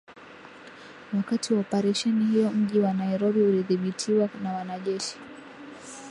Wakati wa oparesheni hiyo mji wa Nairobi ulidhibitiwa na wanajeshi